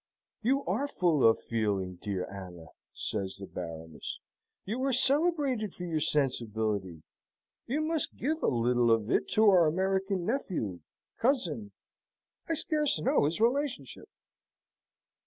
"You are full of feeling, dear Anna," says the Baroness. "You are celebrated for your sensibility. You must give a little of it to our American nephew cousin I scarce know his relationship."